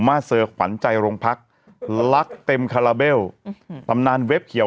เซอร์ขวัญใจโรงพักรักเต็มคาราเบลตำนานเว็บเขียว